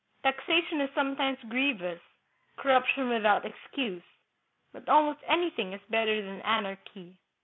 Taxation is sometimes grievous, corruption without ex cuse; but almost anything is better than anarchy.